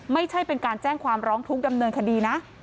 ไม่ใช่เป็นการแจ้งความร้องทุกข์ดำเนินคดีนะ